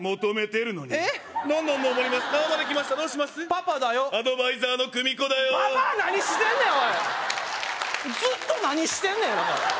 パパだよアドバイザーのクミコだよババア何してんねん！